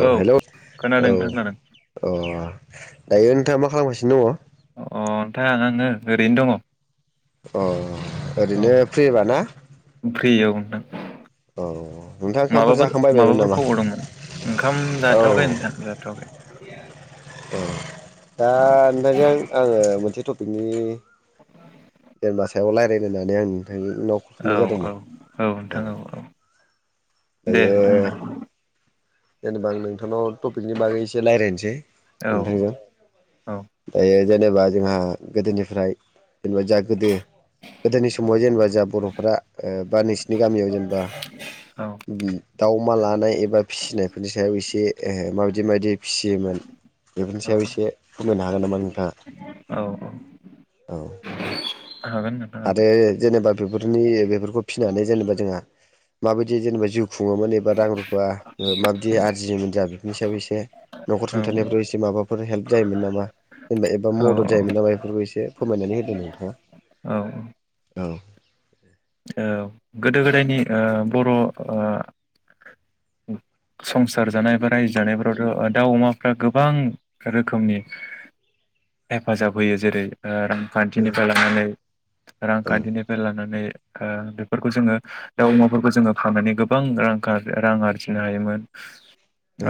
औ हेल' औ खोनादों नोंथां खोनादों औ। दायो नोंथाङा मा खालामगासिनो दङ? अ नोंथां आं आङो ओरैनो दङ। अ ओरैनो फ्रिबा ना? फ्रिआव औ नोंथाङा ओंखामफोर माबाफोर जाखांबायबायमोन माबाफोर नामा? खबर दों ओंखाम औ जाथ'वाखै नोंथाङा जाथ'वाखै। औ बिनि देर मासाव रायरायनो गलायनानै आं नोंथांनि थुनाय औ औ जादोंमोन औ। दे दायो बुंनो जेनेबा आं नोंथांनाव टपिकनि बागै ज रायज्लायनोसै औ नोंथांजों औ। दायो जेनेबा जोंहा गोदोनिफ्राय जेनेबा जा गोदो गोदोनि समाव जेनेबा जा बर'फ्रा बा नोंसिनि गामियाव जेनेबा औ दाव अमा लानाय एबा फिसिनायफोरनि सायाव एसे ए माबायदि मायदि फिसियोमोन बेफोरनि औ सायाव एसेनो हागोन नामा नोंथाङा औ औ हागोन नोंथां आरो हागोन जेनेबा बेफोरनि बेफोरखौ फिसिनानै जेनेबा जोंहा माबायदि जेनेबा जिउ खुङोमोन एबा रां रुफा माबाददि आरजियोमोन जा बेफोरनििसाबै एसे नखर औ सुंथानायनायफ्राव एसे माबाफोर हेल्प जायोमोन नामा जेनबा एबा औ मदद जायोमोन नामा बेफोरखौ एसे फोरमायनानै होदों नोंथाङा औ ए ओ गोदो गोदायनिओ बर' संसार जानाय बा रायजो जानायफोरावथ' दाउ अमाफ्रा गोबां रोखोमनि हेफाजाब होयो जेरै ओ रांखान्थिनिफ्राय लानानै औ रांखान्थिनिफ्राय लानानै ओ बेफोरखौ जोङो दाउ अमाफोरखौ जोङो फाननानै गोबां ओ रां रां आरजिनो हायोमोन।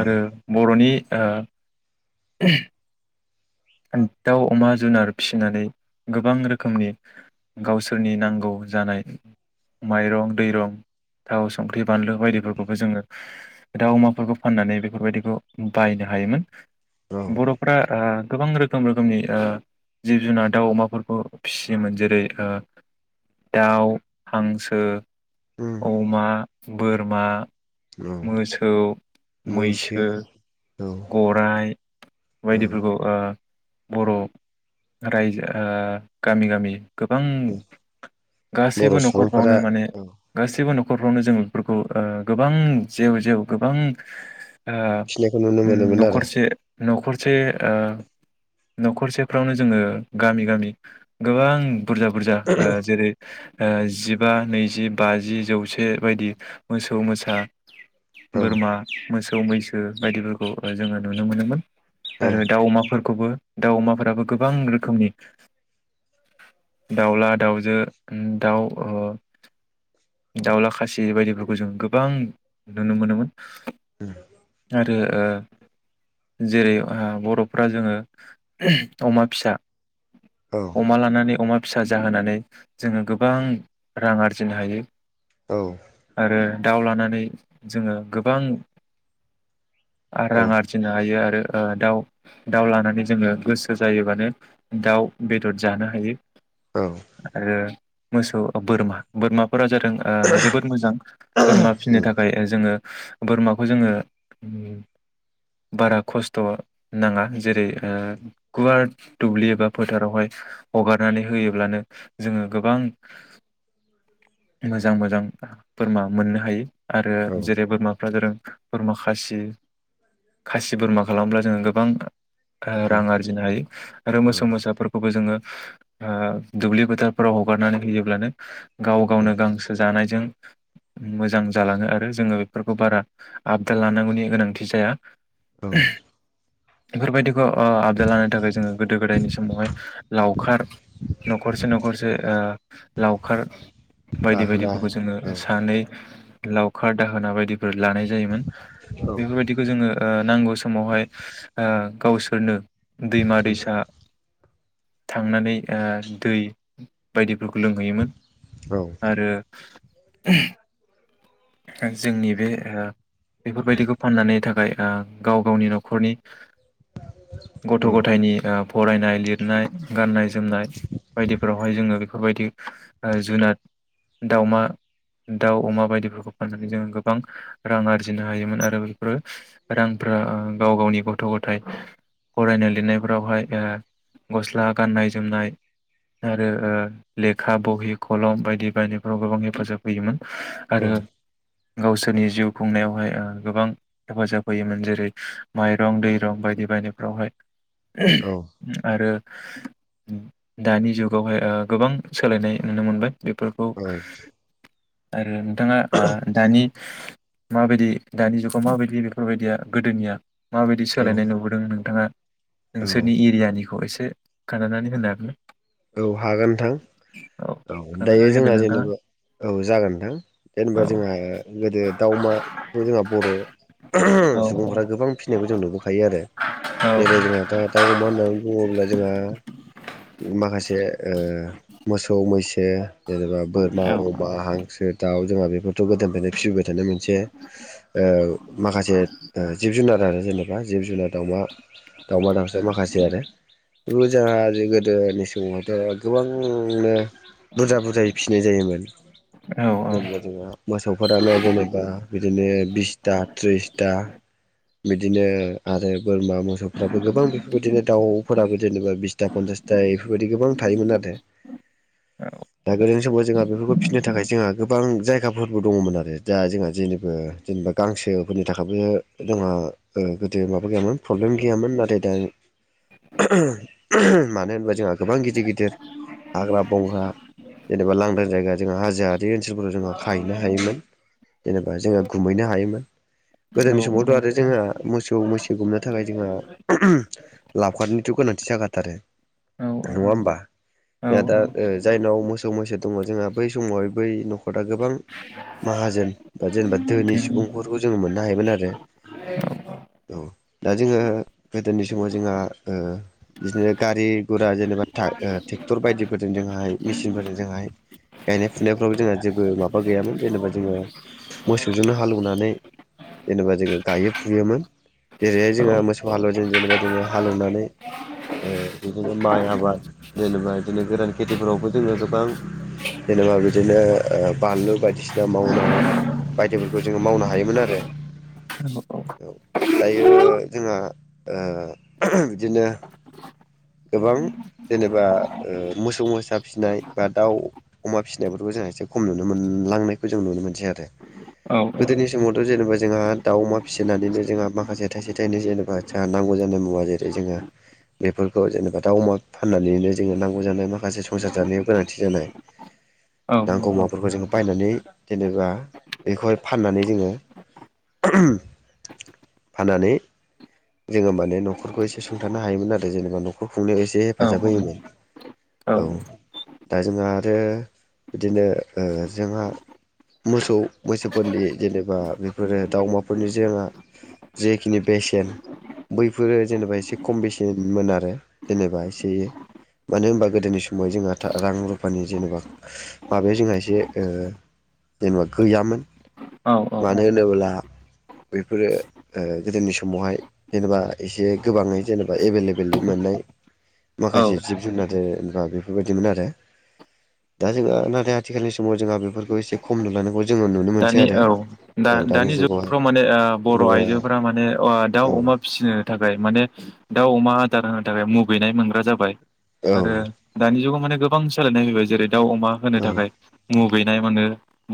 आरो बर'नि ओ दाउ अमा जुनार फिसिनानै गोबां रोखोमनि गावसोरनि नांगौ जानाय माइरं दैरं थाव संख्रि बानलु बायदिफोरखौबो जोङो दाउ अमाफोरखौ फाननानै बेफोरबायदिखौ बायनो हायोमोन । औ बर'फ्रा ओ गोबां रोखोम रोखोमनि ओ जिब जुनार दाउ अमाफोरखौ फिसियोमोन जेरै ओ दाउ, हांसो अमा बोरमा औ मोसौ मैसो औ गराय बायदिफोरखौ ओ बर' रायजो ओ गामि गामि गोबां बर' गासैबो सुबुंफोरा न'खरफ्रावनो माने औ गासिबो नख न'खरफ्रावनो जों बेफोरखौ ओ गोबां जेव जेव गोबां ओ फिनायखौ नुनो उम मोनोमोन आरो न'खरसे न'खरसे ओ न'खरसेफ्रावनो जोङो गामि गामि गोबां बुरजा बुरजा ओ जेरै ओ जिबा नैजि बाजि जौसे बायदि मोसौ मोसा औ बोरमा मोसौ सौ मैसो बायदिफोरखौ जोङो नुनो मोनोमोन । औ आरो दाउ अमाफोर खौबो दाउ अमाफोराबो गोबां रोखोमनि दाउला-दाउजो दाउ ओ दाउला खासि बायदिफोरखौ जों गोबां नुनो मोनोमोन । उम आरो ओ जेरै बर'फ्रा जोङो अमा फिसा अमा लानानै अमा फिसा जाहोनानै जोङो गोबां रां आरजिनो हायो । औ। दाउ लानानै जोङो गोबां आरो औ रां आरजिनो हायो आरो ओ दाउ दाउ लानानै जोङो गोसो जायोबानो दाउ बेदर जानो हायो औ। आरो मोसौ बोरमा बोरमा फोरा जादों ओ जोबोद मोजां बोरमा फिनो उम थाखाय जोङो। बोरमाखौ जोङो बारा खस्थ' नाङा जेरै ओ गुवार दुब्लि एबा फोथारावहाय हगारनानै होयोब्लानो जोङो गोबां मोजां मोजां बोरमा मोननो हायो आरो औ जेरै बोरमाफ्रा जादों बोरमा खासि खासि बोरमा खालामब्ला जोङो गोबां ओ रां आरजिनो हायो आरो औ मोसौ मोसाफोरखौबो जोङो आ दुब्लि फोथार फोराव हगारनानै होयोब्लानो गाव गावनो गांसो जानाय जों मोजां जालाङो आरो जोङो बेफोरखौ बारा आपदाल लानांगौनि गोनांथि जाया औ। बेफोर‌ बिदिखौ ओ अ आबदाल लानो थाखाय जोङो गोदो गोदायनि समावहाय लावखार न'खरसे न'खरसे जे ओ लावखार बायदि दाहोना बायदिफोरखौ जोङो औ सानै लावखार दाहोना बिदि फोर लानाय जायोमोन औ बेफोर बायदिखौ जोङो ओ नांगौ समावहाय ओ गावसोरनो दैमा दैसा थांनानै ओ दै दिब फोरखौ लोंहैयोमोन औ आरो [unintelligible] ओ जोंनि बे हो बेफोरबायदिखौ फाननानै थाखाय दा गाव गावनि न'खरनि गथ' गथायनि आफ फरायनाय लिरनाय गाननाय जोमनाय बायदि फोरावहाय जोङो बेफोरबादि जुनाद दाउमा दाउ अमा बायदिफोरखौ फाननानै जोङो गोबां रां आरजिनो हायोमोन आरो बेफोरो रांफ्रा ओ गाव गावनि गथ' गथाय फरायनाय लिरनायफ्रावहाय ओ गस्ला गाननाय जोमनाय आरो ओ लेखा बहि खलम बायदि बायनायफ्राव गोबां हेफाजाब होयोमोन। आरो औ गावसोरनि जिउ खुंनायावहाय ओ गोबां हेफाजाब होयोमोन जेरै माइरं दैरं बायदि बायदि फ्रावहाय औ आरो दानि जुगावहाय ओ गोबां सोलायनाय नुनो मोनो । बेफोरखौ औ औ आरो नोंथां ओ‌ दानि माबायदि दानि जुगाव माबायदि बेफोर बायदिया गोदोनि माबायदि सोलायनाय नुबोदों नोंथाङा नोंसोरनि एरियानिखौ एसे खोनथानानै होनो हागोन ना? औ हागोन नोंथां औ दायो खोन्थानानै होदो जोंहा नोंथाङा जेनेबा औ जागोन नोंथां औ जेनेबा जोंहा गोदो दाउ अमा खौ जोंहा बर' औ औ सुबुंफ्रा गोबां फिसिनायखौ जों नुबोखायो आरो जेरै जोंहा दा दाउ अमा होननानै बुङोब्ला जोंहा माखासे ओ मोसौ मैसो जेनेबा बोरमा औ अमा हांसो दाउ जोंहा बेफोरथ गोदोनिफ्रायनो फिबोबाय थानो मोन मोनसे ओ माखासे जिब जुनार आरो जेनेबा जिब जुनार दाउमा दाउमा दाउसा माखासे आरो बे जोंहा गोदोनि समावथ' गोबांनो बुरजा बुरजायै फिसिनाय जायोमोन औ जेन जोंहा मोसौफोरानो जेनेबा बिदिनो बिसथा थ्रिसथा बिदिनो आरो बोरमा मोसौफ्राबो गोबां बेफोरबायदिनो दाउफोराबो जेनेबा बिसथा पन्सास दा बेफोरबायदि गोबां थायोमोन आरो दा गोदोनि समाव जोंहा बेफोरखौ फिनो थाखाय जोंहा गोबां जायगाफोरबो दङमोन आरो दा जोंहा जेनेबा जेनेबा गांसोफोरनि थाखायबो जोंहा ओ गोदो माबा गैयामोन ‌। प्रब्लेम गैयामोन नाथाय दा [unintelligible] मानो होनोबा जोंहा गोबां गिदिर गिदिर हाग्रा बंग्रा जेनेबा लांदां जायगाया जोंहा हाजार बे ओनसोलफोराव जोङो खाहैनो हायोमोन । जेनेबा जोङो गुमैनो हायोमोन । गोदोनि समावथ' आरो जोंहा मोसौ मैसो गुमनो थाखाय जोंहा लाबखारनिथ' गोनांथि जाखाथारो नङा होमबा औ जोंहा दा जायनाव मोसौ मैसो दङ जोंहा बै समावहाय बै न'खरा गोबां माहाजोन बा जेनेबा धोनि बिदिनो सुबुंफोरखौ जोङो मोननो हायोमोन आरो औ दा जोङो गोदोनि समाव जोंहा ओ बिदिनो गारि गुरा जेनेबा टा ओ ट्रेक्टर बायदिफोरजों जोंहाय मेसिनफोरजों जोंहाय गायनाय फुनायफ्रावबो जोंहा जेबो माबा गैयामोन जेनेबा जोङो मोसौजोंनो हालौनानै जेनेबा जोङो गायो फुयोमोन जेरैहाय औ जोंहा औ मोसौ हालुवाजों जेनेबा जोङो हालौनानै ओ बिदिनो माइ आबाद जेनेबा बिदिनो गोरान खेथिफोरावबो जोङो गोबां जेनेबा बिदिनो ओ बानलु बायदि दा मावनाय बायदिफोरखौ जोङो मावनो हायोमोन आरो औ दायो जोंहा ओ बिदिनो गोबां जेनेबा ओ मोसौ मोसा फिसिनाय बा दाउ अमा फिसिनायफोरखौ जोंहा एसे खम नुनो मोनलांनायखौ जों नुनो मोनसै आरो गोदोनि समावथ' जेनेबा जोंहा दाउ अमा फिसिनानैनो जोंहा माखासे थाइसे थाइनै जेनेबा जोंहा नांगौ जानाय मुवा जेरै जोंहा बेफोर बेखौ जेनेबा दाउ अमा फाननानैनो जोंङो नांगौ जानाय माखासे संसार जानायाव गोनांथि जानाय औ औ नांगौमाफोरखौ जों बायनानै जेनेबा बेखौहाय फाननानै जोङो [unintelligible] फाननानै जोङो माने न'खरखौ एसे सुंथानो हायोमोन आरो जेनेबा न'खर खुंनायाव एसे हेफाजाब होयोमोन औ दा जोंहा आरो बिदिनो ओ जोंहा मोसौ मैसोफोरनि जेनेबा बेफोरो दाउमाफोरनि जोंहा जेखिनि बेसेन बैफोरो जेनेबा एसे खम बेसेनमोन आरो जेनेबा एसे मानो होनबा गोदोनि समाव जोंहा रां रुफानि जेनेबा माबायाव जोंहा एसे ओ जेनेबा गैयामोन औ मानो होनोब्ला बेफोरो ओ गोदोनि समावहाय जेनेबा एसे गोबाङै जेनेबा एभेलेबेलै मोननाय औ माखासे जिब जुनार ओ बा बेफोरबायदिमोन आरो दा जोंहा नाथाय आथिखालनि समाव जोंहा बेफोरखौ एसे खम नुलानायखौ जों दानि औ दा दानि जुगावहाय जुगफ्राव माने ओ बर' आइजोफोरा माने अ दाउ अमा फिसिनो थाखाय माने दाउ अमा आदार होनो थाखाय मुगैनाय मोनग्रा जाबाय आरो दानि जुगाव माने गोबां सोलायनाय फैबाय जेरै दाउ अमा होनो थाखाय मुगैनाय मोनो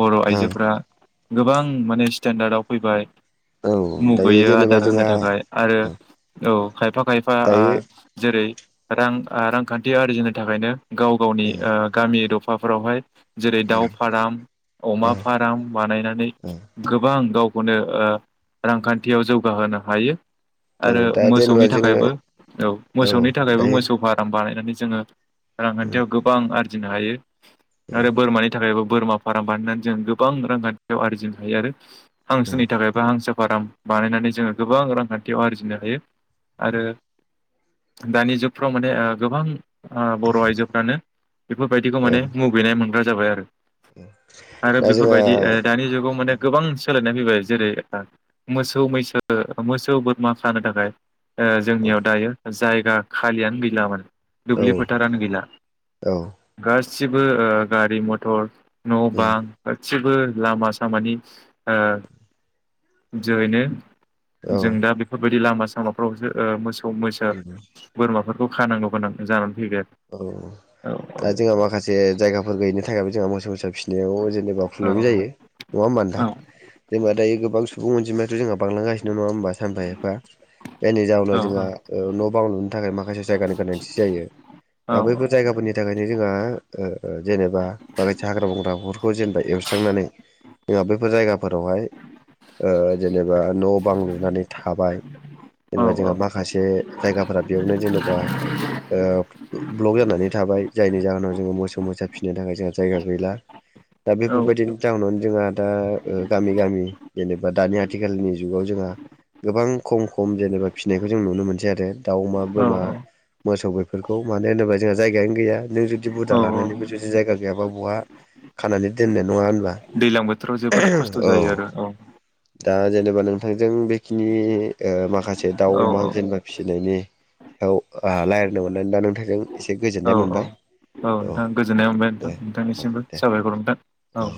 बर' आइजो गोबां माने स्टेन्डार्डआव फैबाय जेनेबा औ औ दायो मुगैयो जेनेबा आदार होनो जोंहा थाखाय आरो औ खायफा खायफा ओ दायो जेरै रां ओ रांखान्थि आरजिनो थाखायनो गाव गावनि उम ओ गामि दफा फाफोरावहाय जेरै दाउ उम फाराम अमा औ फार्म बानायनानै गोबां गाव खौनो ओ रांखान्थियाव जौगाहोनो हायो औ आरो औ दा जेनेबा मोसौनि जोङो थाखायबो औ औ मोसौनि थाखायबो दायो मोसौ फार्म बानायनानै जोङो उम रांखान्थियाव गोबां आरो रजिनो हायो आरो बोरमानि थाखायबो बोरमा फाराम बानायनानै जों गोबां रांखान्थियाव आरजिनो हायो आरो उम हांसोनि थाखाय बा हांसो फार्म बानायनानै जोङो गोबां रांखान्थियाव आरजिनो हायो आरो दानि जुगफ्राव माने ओ गोबां बर' आइजोफ्रानो बेफोरबायदिखौ माने मुगैनाय मोनग्रा जाबाय आरो ओ आरो बेफोरबायदि ओ दानि जुगाव माने गोबां सोलाय फैबाय जेरै मोसौ मैसो मोसौ बोरमा खानो थाखाय ओ औ जोंनियाव दायो जायगा खालियानो गैला माने औ दुब्लि फोथारानो गैला औ गासै गासिबो गारि मथर न' उम बां गसिबो लामा सामानि जोहैनो जों दा बेफोरबायदि लामा सामाफ्रावसो मोसौ मोसौ बोरमाफोर खानांगौ गोनां जानानै फैबाय औ आरो औ दा जोंहा माखासे जायगाफोर गैयैनि थाखायबो जोंहा मोसौ मोसा फिसिनो नायाव जेनेबा औ प्रब्लेम औ जायो नङा औ मानोथां जेनेबा दायो गोबां सुबुं अनजिमायाथ' जोंहा बांलांगासिनो नङा होनबा सानफा एफा जायनि औ जाहोनाव जोंहा न' बां लुनो थाखाय माखासे जायगानि गोनांथि जायो औ दा बैफोर जायगाफोरनि थाखाय थाखायनो जोंहा जेनेबा माखासे हाग्रा बंग्राफोरखौ जेनेबा एवस्रांनानै जोंहा बैफोर जायगाफोरावहाय जेनेबा न' बां लुनानै थाबाय औ जेनेबा जोंहा माखासे जायगाफोरा बेयावनो जेनेबा ब्लक जानानै थाबाय जायनि जाहोनाव जोङो मोसौ मोसा फिनो थाखाय जोंहा जायगा गैला दा औ बेफोरबायदिनि जाहोनावनो जोंहा दा गामि गामि जेनेबा दानि आथिखालनि जुगाव जोंहा गोबां खम खम जेनेबा फिनायखौ जों नुनो मोनसै आरो दाउ अमा औ बोरमा मोसौ बेफोर खौ मानो होनोबा जोंहा जायगायानो गैया। नों जुदि औ बुजा लानानैबो जुदि जायगा गैयाबा बहा खानानै दोननाय नङा होनबा दैज्लां बोथोराव जोबोद खस्थ' औ जायो आरो औ दा जे जेबा नोंथाय जों बेखिनि ओ माखासे दाउ औ अमा जेनबा फिसिनायनि औ आ लायरायनो मोन औ औ औ औ नोंथां गोजोननाय मोनबाय दे नोंथां औ नोंथांनिसिमबो दे साबायखर नोंथां औ।